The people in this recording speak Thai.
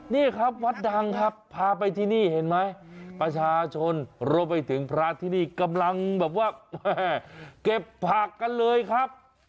นี่ครับวัดดังครับพาไปที่นี่เห็นไหมประชาชนรวมไปถึงพระที่นี่กำลังแบบว่าเก็บผักกันเลยครับ